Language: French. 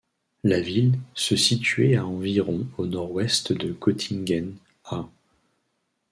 La ville se situé à environ au nord-ouest de Göttingen, à.